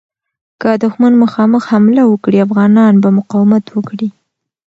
که دښمن مخامخ حمله وکړي، افغانان به مقاومت وکړي.